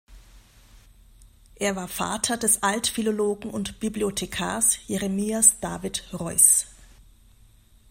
Er war Vater des Altphilologen und Bibliothekars Jeremias David Reuß.